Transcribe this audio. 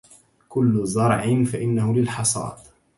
كل زرع فإنه للحصاد